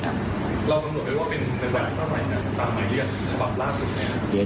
เรากำหนดไว้ว่าเป็นตลาดเท่าไหร่ตามหมายเรียกฉบับล่าสุดนะครับ